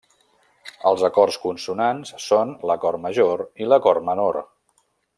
Els acords consonants són l'acord major i l'acord menor.